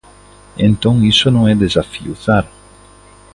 Entón iso non é desafiuzar.